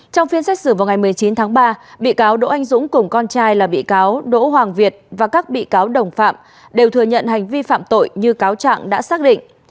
trong phiên xét xử vào ngày một mươi chín tháng ba bị cáo đỗ anh dũng cùng con trai là bị cáo đỗ hoàng việt và các bị cáo đồng phạm đều thừa nhận hành vi phạm tội như cáo trạng đã xác định